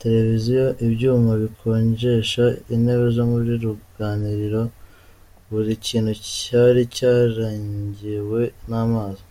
Televiziyo, ibyuma bikonjesha, intebe zo mu ruganiriro, buri kintu cyari cyarengewe n'amazi.